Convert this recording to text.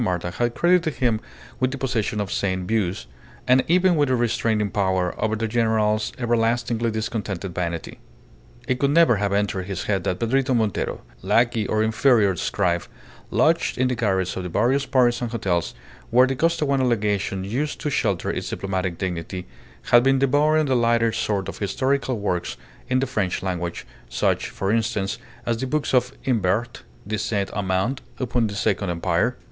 Marta had credited him with the possession of sane views, and even with a restraining power over the general's everlastingly discontented vanity. It could never have entered his head that Pedrito Montero, lackey or inferior scribe, lodged in the garrets of the various Parisian hotels where the Costaguana Legation used to shelter its diplomatic dignity, had been devouring the lighter sort of historical works in the French language, such, for instance as the books of Imbert de Saint Amand upon the Second Empire.